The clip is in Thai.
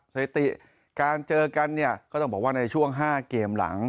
สถิติการเจอกันเนี่ยก็ต้องบอกว่าในช่วง๕เกมหลัง